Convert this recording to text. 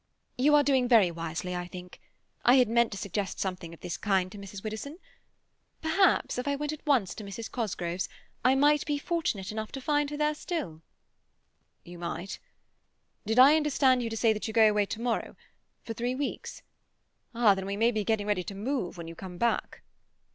"You are doing very wisely, I think. I had meant to suggest something of this kind to Mrs. Widdowson. Perhaps, if I went at once to Mrs. Cosgrove's, I might be fortunate enough to find her still there?" "You might. Did I understand you to say that you go away to morrow? For three weeks. Ah, then we may be getting ready to remove when you come back."